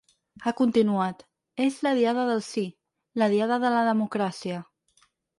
Ha continuat: És la Diada del sí, la Diada de la democràcia.